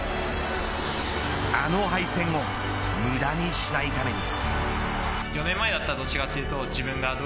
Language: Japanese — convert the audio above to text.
あの敗戦も無駄にしないために。